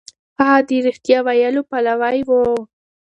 هغه د رښتيا ويلو پلوی و.